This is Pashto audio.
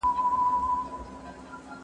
شاه محمود عزيزي دوست محمد ګلالى زهير